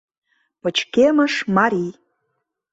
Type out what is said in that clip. Пычкемыш марий.